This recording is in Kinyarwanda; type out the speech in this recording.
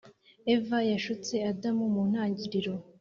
Eva yashutse adamu mu ntangiriro